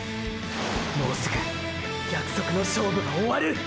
もうすぐ“約束の勝負”が終わる！！